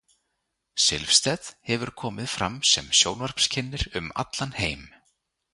Silvstedt hefur komið fram sem sjónvarpskynnir um allan heim.